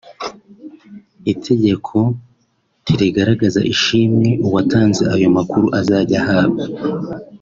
Itegeko ntirigaragaza ishimwe uwatanze ayo makuru azajya ahabwa